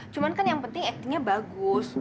cuman kan yang penting actingnya bagus